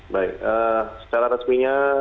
baik secara resminya